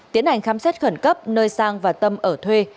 tiến hành khám xét khẩn cấp nơi sang và tâm ở thuê